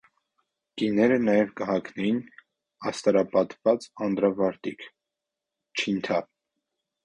Կիները նաեւ կը հագնէին աստարապատուած անդրավարտիք (չինթա)։